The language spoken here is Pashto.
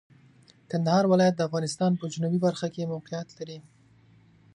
کندهار ولایت د افغانستان په جنوبي برخه کې موقعیت لري.